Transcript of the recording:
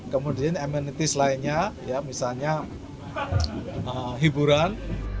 kemudian amenities lainnya misalnya hiburan